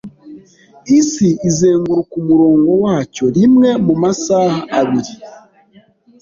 Isi izenguruka umurongo wacyo rimwe mu masaha abiri